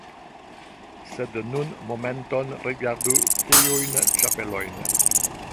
Sed nun momenton rigardu tiujn ĉapelojn!